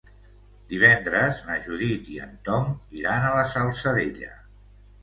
Divendres na Judit i en Tom iran a la Salzadella.